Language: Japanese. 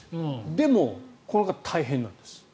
でも、この方大変なんです。